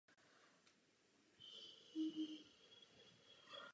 Potřebujeme jeho stanovisko, vysvětlující situaci související s udělením absolutoria.